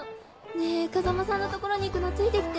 ねぇ風間さんの所に行くのついてきて。